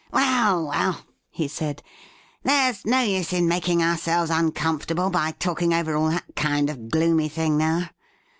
' Well, well,' he said, ' there's no use in making ourselves uncomfortable by talking over all that kind of gloomy thing now.